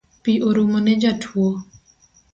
Pi orumo ne jatuo